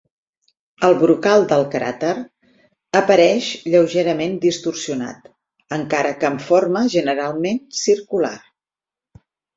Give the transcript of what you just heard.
El brocal del cràter apareix lleugerament distorsionat, encara que amb forma generalment circular.